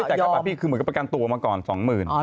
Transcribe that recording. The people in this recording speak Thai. ไม่ได้จ่ายค่าปรับพี่คือเหมือนกับประกันตัวมาก่อนสองหมื่น